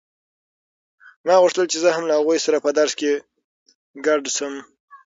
ما غوښتل چې زه هم له هغوی سره په درس کې ګډه شم.